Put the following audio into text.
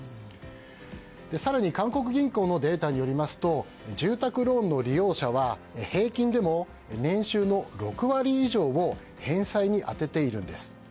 更に韓国銀行のデータによりますと住宅ローンの利用者は平均でも年収の６割以上を返済に充てているんです。